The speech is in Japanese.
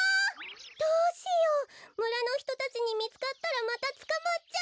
どうしようむらのひとたちにみつかったらまたつかまっちゃう。